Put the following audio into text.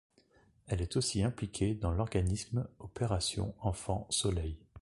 Elle est aussi impliquée dans l'organisme Opération Enfant Soleil.